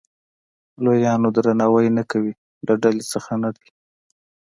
لویانو درناوی نه کوي له ډلې څخه نه دی.